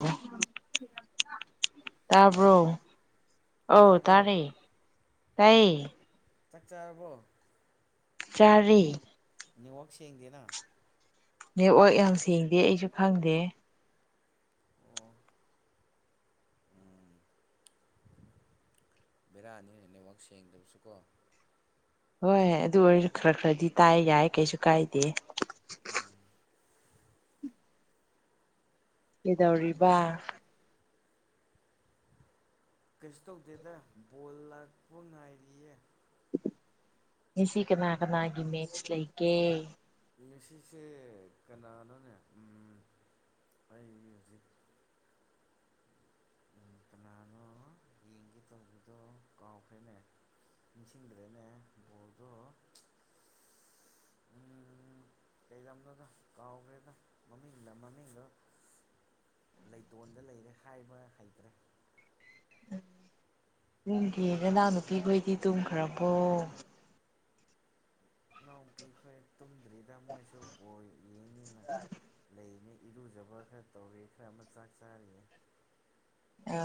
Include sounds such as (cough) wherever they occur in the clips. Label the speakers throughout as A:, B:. A: (unintelligible)
B: Hello
A: ꯇꯕ꯭ꯔꯣ ꯑꯧ
B: ꯇꯥꯕ꯭ꯔꯣ
A: ꯇꯔꯦ ꯇꯥꯏꯌꯦ
B: ꯆꯥꯛ ꯆꯔꯕꯣ
A: ꯆꯔꯦ
B: ꯅꯦꯠꯋꯥꯛ ꯁꯦꯡꯗꯦꯅꯥ
A: ꯅꯦꯠꯋꯛ ꯌꯥꯝ ꯁꯦꯡꯗꯦ ꯑꯩꯁꯨ ꯈꯪꯗꯦ
B: ꯑꯣ (inaudible) (unintelligible) ꯎꯝ ꯕꯦꯔꯥꯅꯤꯅ ꯅꯦꯠꯋꯥꯛ ꯁꯦꯡꯗꯕꯁꯨ ꯀꯣ
A: ꯍꯣꯏ ꯑꯗꯨ ꯑꯣꯏꯔꯁꯨ ꯈꯔ ꯈꯔꯗꯤ ꯇꯥꯏ ꯌꯥꯏ ꯀꯩꯁꯨ ꯀꯥꯏꯗꯦ
B: ꯎꯝ
A: ꯀꯩꯗꯧꯔꯤꯕ
B: ꯀꯩꯁꯨ ꯇꯧꯗꯦꯗ ꯕꯣꯜ ꯂꯥꯛꯄ ꯉꯥꯏꯔꯤꯌꯦ
A: ꯉꯁꯤ ꯀꯅꯥ ꯀꯅꯥꯒꯤ ꯃꯦꯟꯁ ꯂꯩꯒꯦ
B: ꯃ꯭ꯌꯨꯖꯤꯛꯁꯦ ꯀꯅꯥꯅꯣꯅꯦ ꯑꯩ ꯃ꯭ꯌꯨꯖꯤꯛ ꯀꯅꯥꯅꯣ ꯌꯦꯡꯒꯦ ꯇꯧꯕꯗꯣ ꯀꯥꯎꯈ꯭ꯔꯦꯅꯦ ꯏꯁꯤꯡꯟꯗ꯭ꯔꯦꯅꯦ ꯕꯣꯜꯗꯣ ꯀꯩꯗꯅꯣꯗ ꯀꯥꯎꯈ꯭ꯔꯦꯗ ꯃꯃꯤꯡꯗ ꯃꯃꯤꯡꯗꯣ ꯂꯩꯇꯣꯟꯗ ꯂꯩꯔꯦ ꯍꯥꯏꯕ ꯍꯩꯇ꯭ꯔꯦ
A: ꯎ ꯅꯨꯡꯒꯤ ꯅꯅꯥ ꯅꯨꯄꯤ ꯈꯣꯏꯗꯤ ꯇꯨꯝꯈ꯭ꯔꯕꯣ
B: ꯏꯅꯥꯎꯄꯤꯈ꯭ꯔ ꯇꯨꯝꯗ꯭ꯔꯤꯗ ꯃꯣꯏꯁꯨ ꯕꯣꯏ ꯌꯦꯡꯅꯤꯅ ꯂꯩꯅꯤ ꯏꯔꯨꯖꯕ ꯈꯔ ꯇꯧꯔꯦ ꯈꯔ ꯑꯃ ꯆꯥꯛ ꯆꯥꯔꯤ
A: ꯑ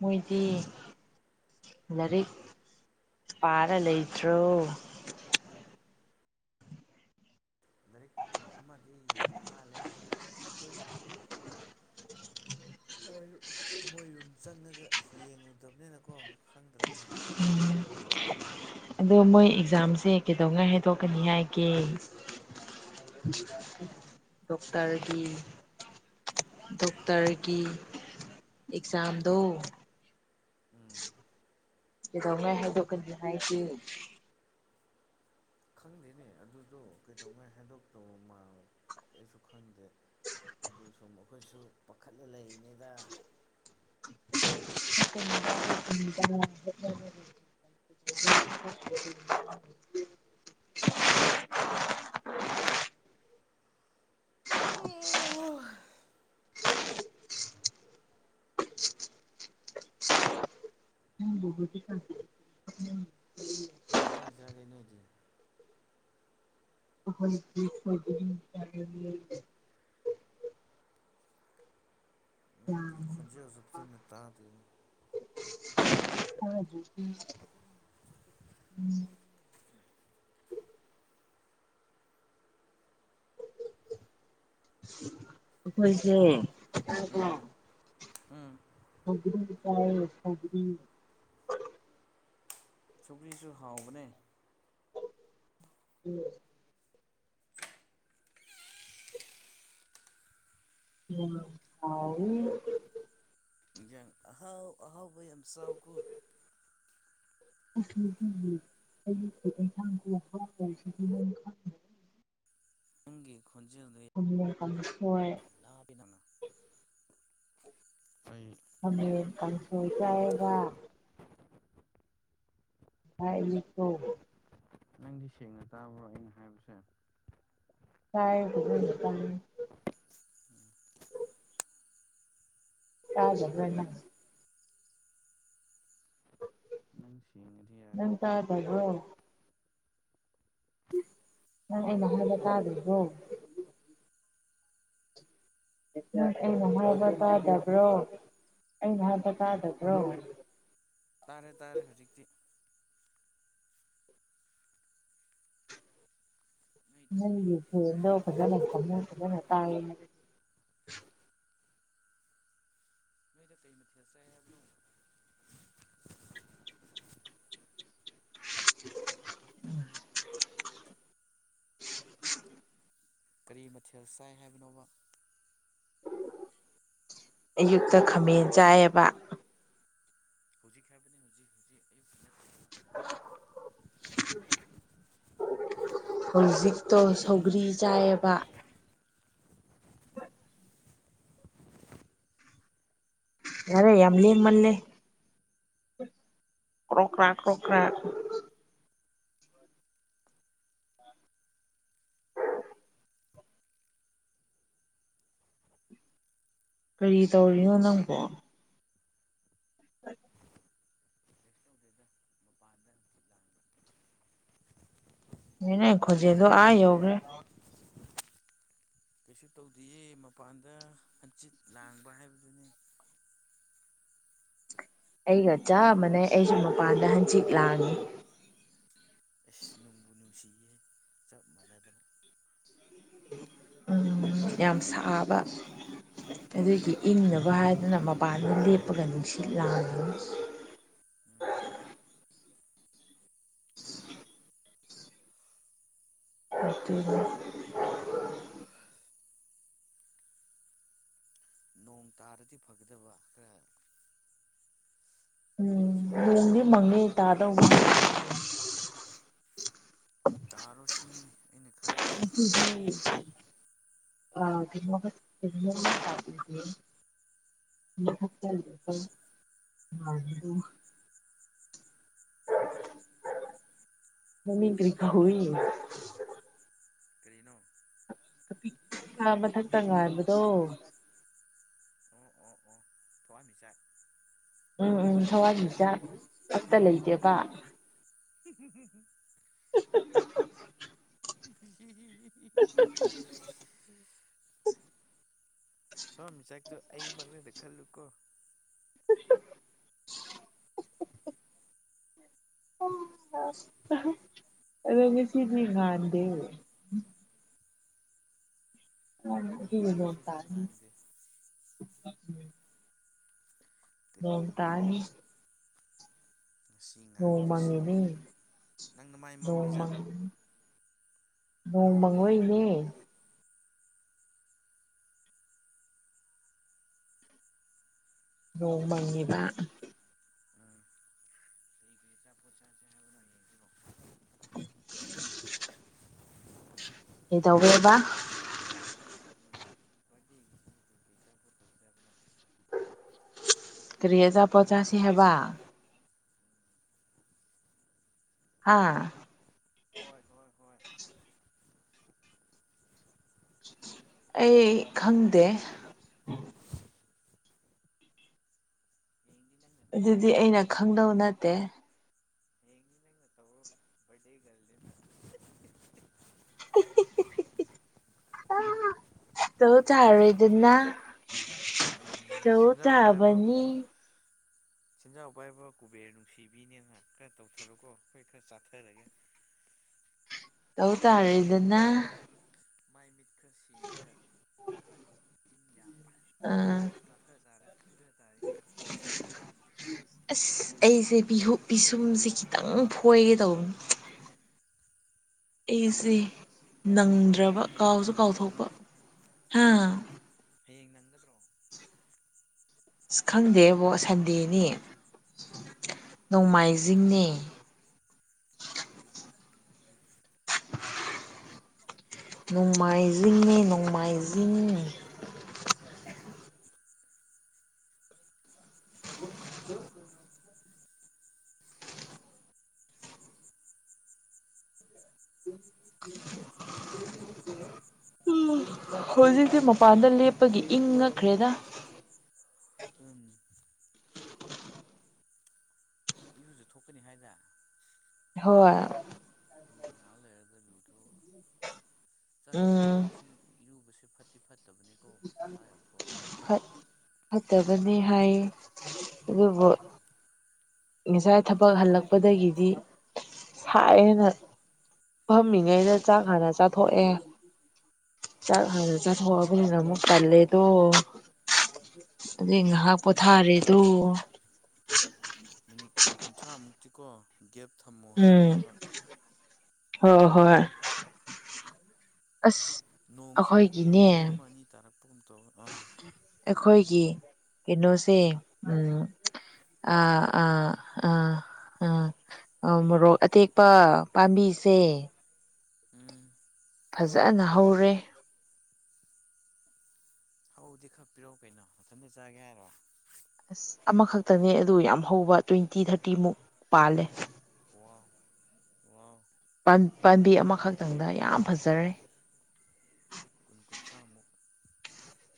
A: ꯃꯣꯏꯗꯤ ꯂꯥꯏꯔꯤꯛ ꯄꯥꯔ ꯂꯩꯇ꯭ꯔꯣ
B: ꯂꯥꯏꯔꯤꯛ ꯑꯃꯗꯤ ꯌꯦꯡꯉꯤ ꯃꯥꯜꯂꯦ ꯈꯩꯗꯦꯅꯦ ꯃꯣꯏꯔꯨꯝ ꯆꯪꯉꯒ ꯌꯦꯡꯉꯨꯗꯕꯅꯤꯅꯀꯣ ꯈꯪꯗ꯭ꯔꯦꯅꯦ
A: ꯑꯗꯣ ꯃꯣꯏ ꯑꯦꯛꯖꯥꯝꯁꯦ ꯀꯩꯗꯧꯉꯩ ꯍꯥꯏꯗꯣꯛꯀꯅꯤ ꯍꯥꯏꯒꯦ (unintelligible)
B: ꯅꯣꯏꯗꯤ
A: ꯗꯣꯛꯇꯔꯒꯤ ꯗꯣꯛꯇꯔꯒꯤ ꯑꯦꯛꯖꯥꯝꯗꯣ
B: ꯎꯝ (unintelligible) (inaudible)
A: ꯀꯩꯗꯧꯉꯩ ꯍꯥꯏꯗꯣꯛꯀꯅꯤ ꯍꯥꯏꯗꯤ
B: ꯈꯪꯗꯦꯅꯦ ꯑꯗꯨꯗꯣ ꯀꯩꯗꯧꯉꯩ ꯍꯩꯗꯣꯛꯇꯧ ꯃꯥꯜ ꯑꯩꯁꯨ ꯈꯪꯗꯦ ꯑꯗꯨ ꯁꯨꯝ ꯑꯩꯈꯣꯏꯁꯨ ꯄꯥꯈꯠꯂ ꯂꯩꯔꯤꯅꯤꯗ
A: (unintelligible) (inaudible) (unintelligible) (inaudible) (unintelligible) (inaudible) (unintelligible) (inaudible) ꯎꯝꯣ ꯊꯤꯦ (unintelligible) (inaudible)
B: ꯀꯩ ꯍꯤꯟꯖꯥꯡ ꯆꯥꯔꯦ ꯅꯣꯏꯗꯤ
A: (unintelligible) (inaudible)
B: ꯅꯪꯒꯤ ꯈꯣꯟꯖꯦꯜꯖꯨ ꯐꯖꯟꯅ ꯇꯥꯗ꯭ꯔꯦ
A: ꯊꯥꯖ (inaudible) (unintelligible) ꯑꯩꯈꯣꯏꯁꯦ
B: ꯎꯝ
A: (inaudible)
B: ꯎꯝ (unintelligible) (inaudible)
A: ꯁꯒ ꯇ ꯁꯒꯔꯤ (unintelligible) (inaudible)
B: ꯁꯒ꯭ꯔꯤꯁꯨ ꯍꯥꯎꯕꯅꯦ
A: ꯎꯝ (unintelligible) (inaudible) ꯎꯝ ꯍꯥꯎ
B: ꯌꯥꯪ ꯑꯍꯥꯎ ꯑꯍꯥꯎꯕ ꯌꯥꯝ ꯆꯥꯎꯀꯣ
A: (unintelligible) (inaudible)
B: ꯅꯪꯒꯤ ꯈꯣꯟꯖꯦꯜꯗ
A: ꯈꯪ ꯀꯥꯡꯁꯣꯏ
B: ꯌꯥꯝ ꯂ ꯄ ꯅꯅ (inaudible) ꯑꯩꯣꯏ (unintelligible) (inaudible)
A: ꯑꯃ ꯄ ꯁꯣ ꯆꯦꯒ (inaudible) ꯍꯥꯏ ꯌꯦꯠꯇꯣ (inaudible) (unintelligible)
B: ꯅꯪꯗꯤ ꯁꯦꯡꯅ ꯇꯥꯕ꯭ꯔꯣ ꯑꯩꯅ ꯍꯥꯏꯕꯁꯦ
A: ꯀꯥꯏ ꯈꯠꯇ
B: ꯎꯝ
A: ꯌꯥꯥꯖ
B: ꯎ
A: ꯅ ꯇ ꯍꯥꯏꯕꯕ ꯅꯩꯅ ꯍꯥꯏꯂ ꯇꯥꯗ ꯍꯣ ꯑꯩꯅ
B: ꯀꯩ
A: ꯍꯥꯏꯕ
B: ꯍꯥꯏꯕꯅꯣ
A: ꯀꯥꯗꯕ꯭ꯔꯣ ꯑꯩꯅ ꯍꯥꯏꯕ ꯀꯥꯗꯕ꯭ꯔꯣ
B: ꯇꯥꯔꯦ ꯇꯥꯔꯦ ꯍꯧꯖꯤꯛꯇꯤ ꯅꯣꯏꯗꯣ ꯀꯩ
A: ꯅꯪꯒꯤ
B: ꯃꯊꯦꯜ
A: ꯐꯗꯣ
B: ꯆꯥꯏꯕ
A: ꯐꯖꯅ ꯐꯖꯅ ꯇꯥꯏꯌꯦ
B: ꯃꯣꯏꯅꯇꯩꯅ ꯊꯌꯥꯔꯁꯦ ꯑꯗꯨꯣ
A: (unintelligible)
B: ꯀꯔꯤ ꯃꯊꯦꯜ ꯆꯥꯏ ꯍꯥꯏꯕꯅꯣꯕ
A: ꯑꯌꯨꯛꯇ ꯈꯥꯃꯦꯟ ꯆꯥꯏꯑꯕ
B: ꯍꯧꯖꯤꯛ ꯍꯥꯏꯕꯗꯤ ꯍꯧꯖꯤꯛ ꯍꯧꯖꯤꯛ ꯑꯌꯨꯛꯀꯤ ꯅꯠꯇꯦ
A: (unintelligible) ꯍꯧꯖꯤꯛꯇꯣ ꯁꯧꯒ꯭ꯔꯤ ꯆꯥꯏꯑꯕ
B: ꯁꯧꯒ꯭ꯔꯤ
A: ꯌꯥꯔꯦ
B: ꯈꯇꯪ
A: ꯌꯥꯝ ꯂꯦꯝꯃꯜꯂꯦ ꯀ꯭ꯔꯣꯛ꯭ꯔꯥ ꯀ꯭ꯔꯣ ꯀ꯭ꯔꯥ ꯀꯔꯤ ꯇꯧꯔꯤꯅꯣ ꯅꯪꯕꯣ (unintelligible)
B: ꯀꯩꯁꯨ ꯇꯧꯗꯦꯗ ꯃꯄꯥꯟꯗ ꯍꯪꯆꯤꯠ ꯂꯥꯡꯕ
A: ꯃꯤꯅꯦ ꯈꯣꯖꯦꯗ ꯑ ꯍꯧꯒꯦ
B: ꯀꯩꯁꯨ ꯇꯧꯗꯦꯌꯦ ꯃꯄꯥꯟꯗ ꯍꯟꯆꯤꯠ ꯂꯥꯡꯕ ꯍꯥꯏꯕꯗꯨꯅꯤ
A: ꯑꯩꯒ ꯆꯥꯃꯅ ꯑꯩꯁꯨ ꯃꯄꯥꯟꯗ ꯍꯪꯆꯤꯠ ꯂꯥꯡꯉꯤ
B: ꯑꯁ ꯅꯣꯡꯕꯨ ꯅꯨꯡꯁꯤꯌꯦ ꯆꯞ ꯃꯥꯟꯅꯗꯅ
A: ꯎ ꯌꯥꯝ ꯁꯥꯕ ꯑꯗꯨꯒꯤ ꯏꯪꯅꯕ ꯍꯥꯏꯗꯨꯅ ꯃꯄꯥꯟꯗ ꯂꯦꯞꯄꯒ ꯅꯨꯡꯁꯤꯠ ꯂꯥꯡꯉꯤꯤ
B: ꯎꯝ ꯑꯗꯨꯅꯦ
A: ꯍꯤ ꯂꯩ
B: ꯅꯣꯡ ꯇꯥꯔꯗꯤ ꯐꯒꯗꯕ ꯈꯔ
A: ꯎꯝ
B: ꯁꯥꯕꯗꯣ
A: ꯂꯗꯤ ꯃꯉꯦ
B: ꯐꯅꯕꯀꯣ
A: ꯇꯥꯗ (unintelligible)
B: ꯇꯥꯔꯣ ꯁꯤꯅꯤ ꯑꯩꯅ ꯈꯜꯂꯤ
A: ꯑ ꯃ ꯇ ꯂꯩ ꯃꯗꯣ ꯃꯃꯤꯡ ꯀꯔꯤ ꯀꯧꯏ
B: ꯀꯔꯤꯅꯣ
A: ꯑꯥ ꯃꯊꯛꯇ ꯉꯥꯟꯕꯗꯣ
B: ꯑꯣ ꯑꯣ ꯑꯣ ꯊꯋꯥꯟꯃꯤꯆꯥꯛ
A: ꯎꯝ ꯎꯝ ꯊꯋꯥꯟꯃꯤꯆꯥꯛ ꯑꯃꯇ ꯂꯩꯇꯦꯕ
B: (unintelligible)
A: (unintelligible)
B: ꯎꯝ ꯊꯋꯥꯟꯃꯤꯆꯥꯛꯇꯣ ꯑꯩꯃꯛꯅꯦꯗꯤ ꯈꯜꯂꯨꯀꯣ
A: (unintelligible) ꯉꯥꯁꯤꯗꯤ ꯉꯥꯟꯗꯦ
B: ꯎꯝ ꯉꯁꯤꯗꯤ ꯉꯥꯟꯗꯦ
A: ꯍꯥ ꯇꯥꯅꯤ
B: ꯀꯔꯤꯒꯤꯅꯣꯅꯦꯀꯣ ꯉꯁꯤ
A: ꯅꯣꯡ ꯃꯥꯉꯦ
B: ꯉꯥꯟꯗ꯭ꯔꯤꯁꯤꯕꯣ
A: ꯑꯗꯨꯒꯅꯤ
B: ꯅꯪ ꯅꯃꯥꯏ
A: ꯅꯣꯡ ꯃꯪ
B: ꯃꯝꯃꯤꯖꯥꯠꯂꯣ
A: ꯅꯣꯡ ꯃꯪꯕꯩꯅꯦ ꯅꯣꯡ ꯃꯪꯏꯕꯥ
B: ꯎꯝ ꯁꯟꯗ° ꯑꯆꯥꯄꫭꯠ ꯄꯣꯠꯁꯦ ꯍꯥꯏꯗꫭ ꯍꯌꯦꯡꯅꯤꯀꫭ
A: (inaudible) (unintelligible) ꯀꯩꯗꯧꯔ°ꯕꯥ
B: ꯂ (unintelligible)
A: ꯀꯔꯤ ꯑꯆꯥꯄꫭꯠ ꯆꯥꯁꯤ ꯍꯥꯏꯕ ꯍꯥꯥ
B: ꯍꯣꯏ ꯍꯣꯏ ꯍꯣꯏ꯫
A: ꯑꯩ ꯈꯪꯗꯦ꯫
B: ꯍꯌꯦꯡꯗꯤ ꯅꯪꯅ
A: ꯑꯗꯨꯗꯤ
B: ꯇꯧꯔꯣꯍꯦ
A: ꯑꯩꯅꯥ ꯈꯪꯗꯧ ꯅꯠꯇꯦ
B: ꯑ° ꯇꯥꯕꯔꫭ ꯃꯩꯇꯩ ꯒꯜꯅꯤꯅꯥ (unintelligible) (inaudible)
A: ꯇꯧ ꯇꯥꯔꯦꯗꯅꯥ
B: ꯎꯝ
A: ꯇꯧ
B: ꯁꯦꯟꯖꯥꯎ ꯄꯥꯏꯕ
A: ꯇꯕꯅꯤ
B: ꯁꯦꯟꯖꯥꯎ ꯄꯥꯏꯕꯥ ꯀꯨꯕꯦꯔ ꯅꯨꯡꯁꯤꯕꯤꯅꯦꯅꯥ ꯈꯔ ꯇꯧꯊꯔꯣꯀꯣ ꯑꯩꯈꯣꯏ ꯈꯔ ꯆꯥꯊꯔꯒꯦ꯫
A: ꯇꯧ ꯇꯥꯔꯦꯗꯅ
B: ꯃꯥꯏ ꯃꯤꯠꯀ ꯁ°ꯡꯉꯒꯥ ꯆꯤꯟ ꯌꯥ ꯐꯖꯅ
A: ꯑꯥ
B: ꯁ°ꯡꯗꯔꯒ ꯆꯊꯥ ꯇꯥꯔꯦ ꯍ°
A: ꯑꯁ ꯑꯩꯁꯦ ꯄꯤꯁꯨꯝꯁꯤ ꯈꯤꯇꯪ ꯐꯣꯏꯒꯦ ꯇꯧꯕꯅꯤ꯫ ꯑꯩꯁꯦ
B: ꯍꯌꯦꯡ
A: ꯅꯪꯗ꯭ꯔꯕꯥ ꯀꯥꯎꯁꯨ
B: ꯅꯪꯒꯗ꯭ꯔꯣ
A: ꯀꯥꯎꯊꯣꯛꯄꯥ ꯍꯥ꯫
B: ꯍꯌꯦꯡ ꯅꯪꯒꯗ꯭ꯔꯣ?
A: ꯑꯁ ꯈꯪꯗꯦꯕꯣ ꯁꯟꯗꯦꯅꯤ ꯅꯣꯡꯃꯥꯏꯖꯤꯡ ꯅꯤ
B: ꯎꯝ ꯍꯥ ꯎꯝ
A: ꯅꯣꯡꯃꯥꯏꯖꯤꯡꯅꯤ ꯅꯣꯡꯃꯥꯏꯖꯤꯡ꯫ ꯍꯧꯖꯤꯛꯇꯤ ꯃꯄꯥꯟꯗ ꯂꯦꯞꯄꯒꯤ ꯏꯪꯉꯛ ꯈ꯭ꯔꯦꯗ
B: ꯑꯗꯨꯅꯦ ꯅꯪ ꯏꯔꯨꯖ ꯊꯣꯛꯀꯅꯤ ꯍꯥꯏꯗꯥꯏ
A: ꯍꯣꯏ
B: ꯎꯝ ꯉꯥꯏꯍꯥꯛ ꯂꯩꯔꯒ ꯂꯨꯊꯣꯛꯎꯔꫭ ꯆꯥꯛ
A: ꯎꯝ
B: ꯆꯥꯇꯣꯛꯒ ꯏꯁꯤꯡ ꯏꯔꯨꯕꯁꯦ ꯐꯠꯇꯤ ꯐꯠꯇꯕꯅꯤꯀꯣ ꯏꯁꯥ ꯌꯥꯝ ꯁꫭꯛꯄꯅꯤ꯫
A: ꯐꯠ ꯐꯠꯇꯕꯅꯤ ꯍꯥꯏꯑ° ꯑꯗꯨꯕꯨ꯫ ꯉꯁꯥꯏ ꯊꯕꯛ ꯍꯜꯂꯛꯄꯗꯒꯤꯗꯤ ꯁꯥꯏꯌꯦ ꯅ ꯐꯝꯃꯤꯉꯩꯗ ꯆꯥꯛ ꯍꯥꯟꯅ ꯆꯥꯊꯣꯛꯑꯦ꯫ ꯆꯥꯛ ꯍꯥꯏ ꯆꯥꯊꫭꯛꯑꯕꯃꯤꯅ ꯑꯃꯨꯛ ꯇꯂꯦꯗꯣ ꯑꯗꯩ
B: ꯃꯤꯅꯤꯠ
A: ꯉꯥꯏꯍꯥꯛ
B: ꯀꯨꯟ
A: ꯄꯣꯊꯥꯔꯦꯗꯣ꯫
B: ꯀꯨꯟꯊ꯭ꯔꯥꯃꯨꯛꯇꯤ ꯃꯤꯅꯤꯠ ꯀꯨꯟ ꯀꯨꯟꯊ꯭ꯔꯥꯃꯨꯛꯇꯤ ꯒꯦꯞ ꯊꯝꯃꯨ꯫
A: ꯎꯝꯝ ꯍꫭ ꯍꯣꯏ ꯑꯥꯁꯁ
B: ꯅꯣꯡꯁꯨ ꯃꯔꯨ ꯑꯃ ꯑꯅꯤꯒꯨꯝꯕ ꯇꯥꯔꯛꯄꯒꯨꯝ ꯇꯧꯋꯤ ꯑꯥ
A: ꯑꯩꯈꯣꯏꯒꯤ ꯀꯩꯅꯣꯁꯤ ꯎꯝꯝ ꯑꯥꯑ ꯑꯥ ꯑꯥ ꯑꯥ ꯑꯧ ꯃꯣꯔꯣꯛ ꯑꯇꯦꯛꯄꯥ ꯄꯥꯝꯕꯤꯁꯦ
B: ꯎꯝꯝ
A: ꯐꯖꯅꯥ ꯍꯧꯔꯦ꯫
B: ꯍꯥꯎꯗꯤ ꯈꯛ ꯄꯤꯔꯛꯑꯣ ꯀꯩꯅꯣ ꯃꯊꯟꯇ ꯆꯥꯒꯦ ꯍꯥꯏꯔꯣ
A: ꯑꯁ ꯑꯃꯈꯛꯇꯅꯦ ꯑꯗꯨ ꯌꯥꯝ ꯍꯧꯕ ꯇ꯭ꯋꯦꯟꯇꯤ ꯊꯥꯔꯇꯤꯃꯨꯛ ꯄꯥꯜꯂꯦ
B: ꯋꯥꯋꯥ ꯋꯥ
A: ꯄꯥꯝꯕꯤ ꯑꯃꯈꯛꯇꯪꯗ ꯌꯥꯝ ꯐꯖꯔꯦ
B: ꯀꯨꯟ ꯀꯨꯟꯊ꯭ꯔꯥꯃꯨꯛ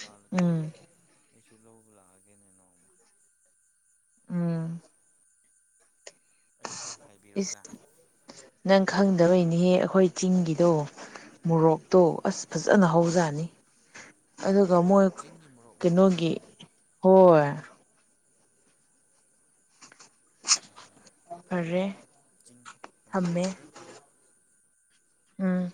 B: ꯄꯥꯜꯂꯗꯤ
A: ꯎꯝ
B: ꯑꯩꯁꯨ ꯂꯧꯕ ꯂꯥꯛꯑꯒꯦꯅꯦ ꯅꯣꯡꯃ
A: ꯎꯝ
B: ꯑꯩ ꯈꯔ
A: ꯏꯁ
B: ꯈꯥꯏꯕꯤꯔꯣꯗꯅ
A: ꯅꯪ ꯈꯪꯗꯕꯩꯅꯦꯍꯦ ꯑꯩꯈꯣꯏ ꯆꯤꯡꯒꯤꯗꯣ ꯃꯣꯔꯣꯛꯇꯣ
B: ꯎꯝ
A: ꯑꯁ ꯐꯖꯅ ꯍꯧꯖꯅꯤ
B: ꯎꯝ
A: ꯑꯗꯨꯒ ꯃꯣꯏ
B: ꯆꯤꯡꯒꯤ
A: ꯀ
B: ꯃꯣꯔꯣꯛꯂꯣ
A: ꯅꯣꯒꯤꯤ ꯍꯣꯏ
B: ꯑꯣ
A: ꯐꯦ
B: ꯆꯤꯡ ꯎꯝ ꯐꯔꯦ ꯐꯔꯦ
A: ꯎꯝ